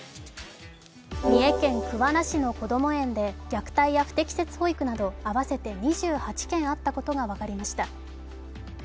三重県桑名市のこども園で虐待や不適切保育など合わせて２８件あったことが分かりました。